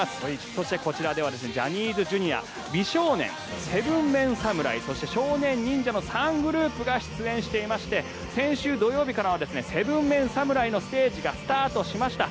そしてこちらではジャニーズＪｒ．美少年、７ＭＥＮ侍そして少年忍者の３グループが出演していまして先週土曜日からは７ＭＥＮ侍のステージがスタートしました。